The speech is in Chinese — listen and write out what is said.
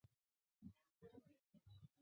要毫不放松抓紧抓实抓细各项防控工作